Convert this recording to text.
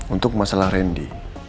untuk masalah randy